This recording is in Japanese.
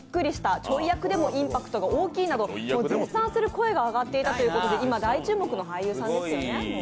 ちょい役でもインパクトが大きいなど絶賛する声が上がっていたということで、今、大注目の俳優さんですよね。